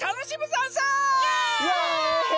イエイ！